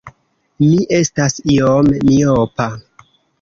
Mi estas iom miopa.